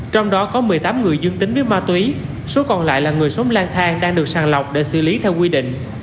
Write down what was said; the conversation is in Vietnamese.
trong đó có một mươi tám người dương tính với ma túy số còn lại là người sống lang thang đang được sàng lọc để xử lý theo quy định